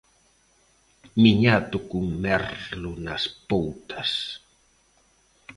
Miñato cun merlo nas poutas.